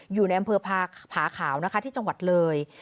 อยู่ในอำเภอผาขาวนะคะที่จังหวัดเลย